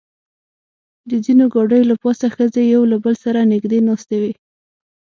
د ځینو ګاډیو له پاسه ښځې یو له بل سره نږدې ناستې وې.